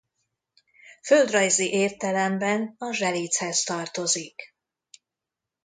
Földrajzi értelemben a Zselichez tartozik.